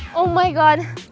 untung aja ga ada yang ngambil